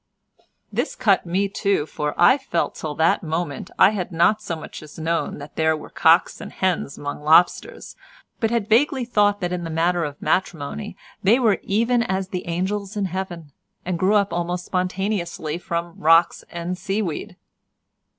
This cut me too, for I felt that till that moment I had not so much as known that there were cocks and hens among lobsters, but had vaguely thought that in the matter of matrimony they were even as the angels in heaven, and grew up almost spontaneously from rocks and sea weed.